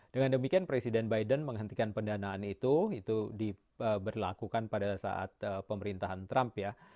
dengan demikian presiden biden menghentikan pendanaan itu itu diberlakukan pada saat pemerintahan trump ya